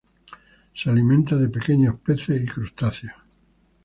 Se alimenta de pequeños peces y crustáceos.